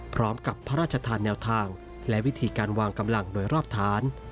พร้อมกับพระราชทานแนวทางและวิธีการวางกำลังโดยรอบฐาน